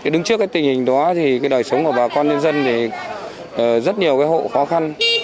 đứng trước tình hình đó thì đời sống của bà con nhân dân thì rất nhiều hộ khó khăn